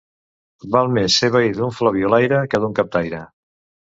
Val més ser veí d'un flabiolaire, que d'un captaire.